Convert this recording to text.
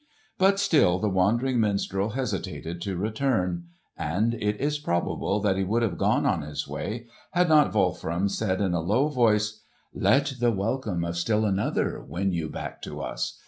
But still the wandering minstrel hesitated to return; and it is probable that he would have gone on his way had not Wolfram said in a low voice, "Let the welcome of still another win you back to us.